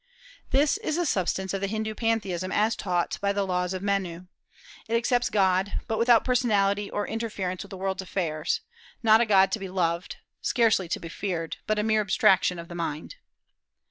This is the substance of the Hindu pantheism as taught by the laws of Menu. It accepts God, but without personality or interference with the world's affairs, not a God to be loved, scarcely to be feared, but a mere abstraction of the mind.